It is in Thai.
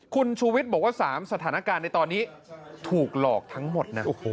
คุณชูวิทย์บอกว่า๓สถานการณ์ในตอนนี้ถูกหลอกทั้งหมดนะ